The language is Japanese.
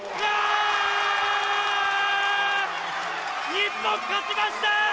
日本、勝ちました！